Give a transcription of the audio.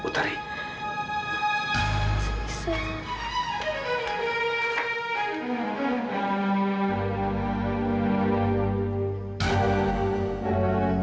terima kasih iksan